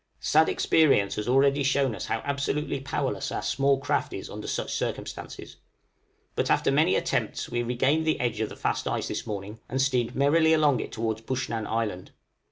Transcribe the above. Sad experience has already shown us how absolutely powerless our small craft is under such circumstances. But after many attempts we regained the edge of the fast ice this morning, and steamed merrily along it towards Bushnan Island.